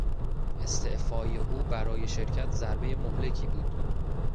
استعفای او برای شرکت ضربهی مهلکی بود.